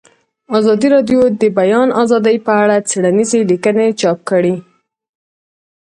ازادي راډیو د د بیان آزادي په اړه څېړنیزې لیکنې چاپ کړي.